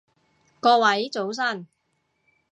各位早晨